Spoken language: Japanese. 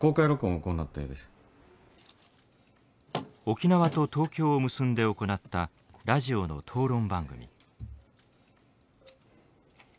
沖縄と東京を結んで行ったラジオの討論番組。